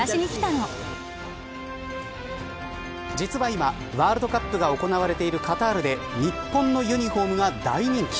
実は今、ワールドカップが行われているカタールで日本のユニホームが大人気。